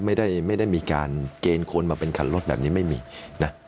ไม่ได้มีการเกณฑ์ควรมาเป็นขันลดแบบนี้ไม่มีนะ